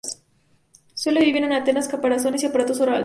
Suelen vivir en antenas, caparazones y aparatos orales.